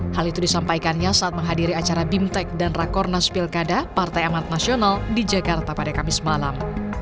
hal itu disampaikannya saat menghadiri acara bimtek dan rakornas pilkada partai amat nasional di jakarta pada kamis malam